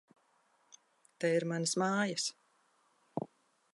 Te ir manas mājas!